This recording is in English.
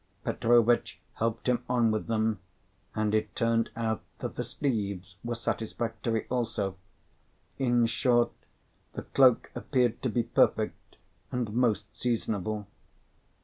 Petrovitch helped him on with them, and it turned out that the sleeves were satisfactory also. In short, the cloak appeared to be perfect, and most seasonable.